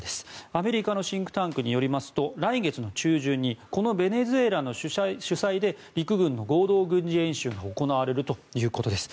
アメリカのシンクタンクによりますと来月の中旬にこのベネズエラの主催で陸軍の合同軍事演習が行われるということです。